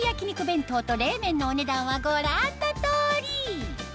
弁当と冷麺のお値段はご覧の通り